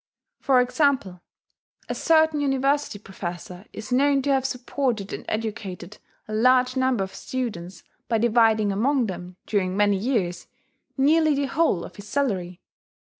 For example: A certain University professor is known to have supported and educated a large number of students by dividing among them, during many years, nearly the whole of his salary.